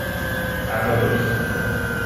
Água doce